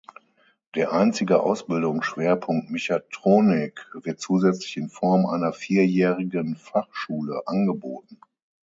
Der einzige Ausbildungsschwerpunkt Mechatronik wird zusätzlich in Form einer vierjährigen Fachschule angeboten.